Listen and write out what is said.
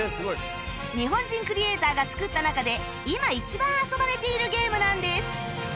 日本人クリエイターが作った中で今一番遊ばれているゲームなんです